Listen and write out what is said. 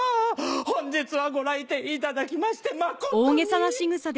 本日はご来店いただきまして誠に。